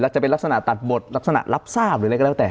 จะเป็นลักษณะตัดบทลักษณะรับทราบหรืออะไรก็แล้วแต่